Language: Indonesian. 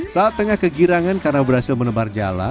saat tengah kegirangan karena berhasil menebar jala